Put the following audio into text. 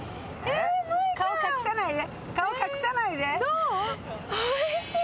顔隠さないで。